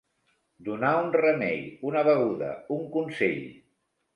Donar un remei, una beguda, un consell.